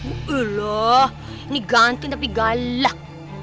elah ini ganteng tapi galak